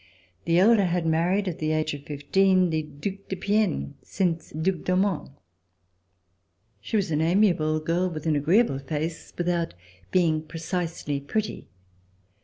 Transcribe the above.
The elder had married, at the age of fifteen, the Due de Piennes, since Due d'Aumont. She was an amiable girl with an agreeable face, without being precisely pretty.